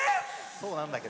そうなんだけど。